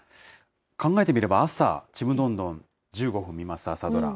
考えてみれば朝、ちむどんどん、１５分見ます、朝ドラ。